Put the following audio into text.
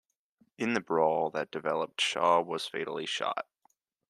In the brawl that developed Shaw was fatally shot.